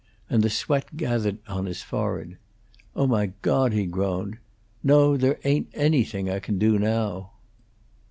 and the sweat gathered on his forehead. "Oh, my God!" he groaned. "No; there ain't anything I can do now."